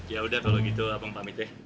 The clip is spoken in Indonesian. ya udah kalau gitu abang pamit ya